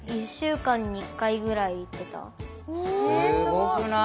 すごくない？